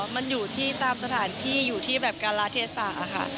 มันอยู่ที่ตามสถานที่อยู่ที่แบบการละเทศะค่ะ